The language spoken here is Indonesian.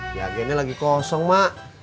diagennya lagi kosong mbak